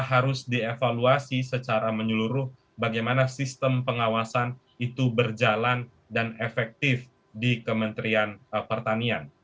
harus dievaluasi secara menyeluruh bagaimana sistem pengawasan itu berjalan dan efektif di kementerian pertanian